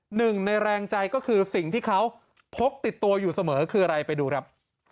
หนึ่งในแรงใจก็คือสิ่งที่เขาพกติดตัวอยู่เสมอคืออะไรไปดูครับ